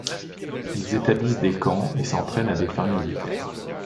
Ils établissent des camps et s'entraînent à des fins militaires.